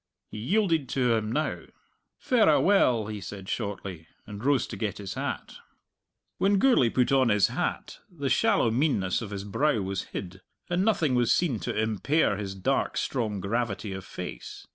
He yielded to him now. "Verra well," he said shortly, and rose to get his hat. When Gourlay put on his hat the shallow meanness of his brow was hid, and nothing was seen to impair his dark, strong gravity of face.